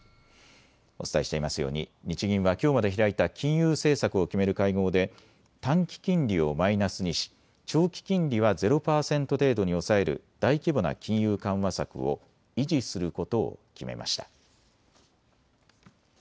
お伝えしていますように日銀はきょうまで開いた金融政策を決める会合で短期金利をマイナスにし、長期金利はゼロ％程度に抑える大規模な金融緩和策を維持することを決めました。